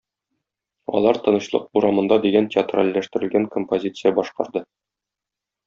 Алар "Тынычлык урамында" дигән театральләштерелгән композиция башкарды.